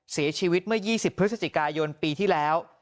เสียชีวิตเมื่อ๒๐พฤศจิกายนปีที่แล้ว